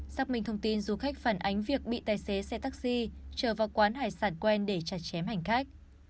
xác minh thông tin du khách phản ánh việc bị tài xế xe taxi chờ vào quán hải sản quen để chặt chém hành khách